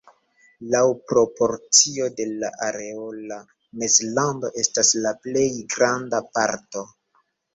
Laŭ proporcio de la areo la Mezlando estas la plej granda parto.